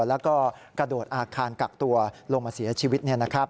แล้วก็กระโดดอาคารกักตัวลงมาเสียชีวิต